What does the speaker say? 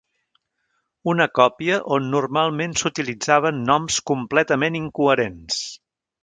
Una còpia on normalment s'utilitzaven noms completament incoherents.